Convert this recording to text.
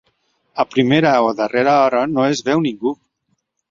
A primera o darrera hora no es veu ningú.